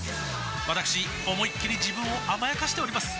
わたくし思いっきり自分を甘やかしております